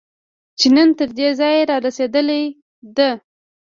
چې نن تر دې ځایه رارسېدلې ده